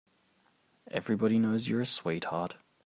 Everybody knows you're a sweetheart.